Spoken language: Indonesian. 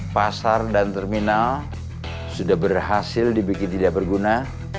pasar dan terminal sudah berhasil dibikin tidak berguna